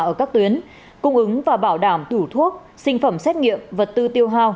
ở các tuyến cung ứng và bảo đảm tủ thuốc sinh phẩm xét nghiệm vật tư tiêu hào